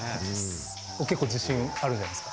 結構、自信、あるんじゃないですか？